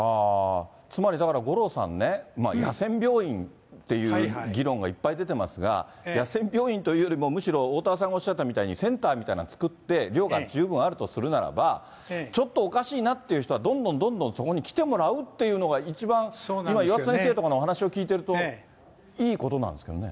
つまりだから五郎さんね、野戦病院っていう議論がいっぱい出てますが、野戦病院というよりも、むしろおおたわさんがおっしゃったように、センターみたいなの作って、量が十分あるとするならば、ちょっとおかしいなっていう人は、どんどんどんどんそこに来てもらうっていうのが、一番、今、岩田先生とかのお話を聞いてると、いいことなんですよね。